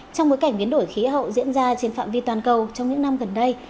trong bối cảnh biến đổi khí hậu diễn ra trên phạm vi toàn cầu trong những năm gần đây